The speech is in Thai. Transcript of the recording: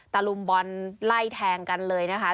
ลุมบอลไล่แทงกันเลยนะคะ